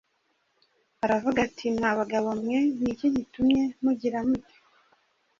aravuga ati, ” Mwa bagabo mwe ni iki gitumye mugira mutyo?